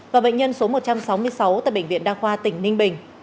và bệnh nhân số một trăm sáu mươi sáu tại bệnh viện đa khoa tỉnh ninh bình